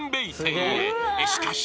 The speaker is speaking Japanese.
［しかし］